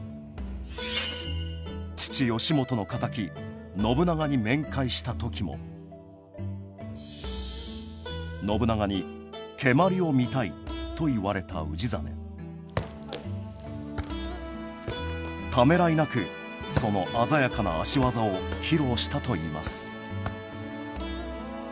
父義元の敵信長に面会した時も信長に「蹴鞠を見たい」と言われた氏真ためらいなくその鮮やかな足技を披露したといいますお！